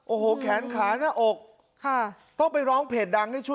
โอ้โหแขนขาหน้าอกค่ะต้องไปร้องเพจดังให้ช่วย